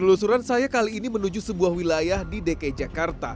penelusuran saya kali ini menuju sebuah wilayah di dki jakarta